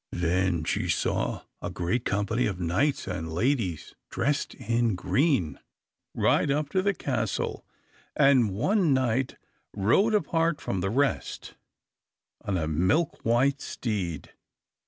Then she saw a great company of knights and ladies, dressed in green, ride up to the castle; and one knight rode apart from the rest, on a milk white steed.